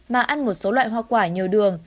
mà ăn một số loại hoa quả nhiều đường